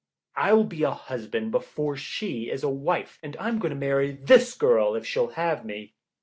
I'll be a husband before she is a wife. And I'm going to marry this girl if she'll have me."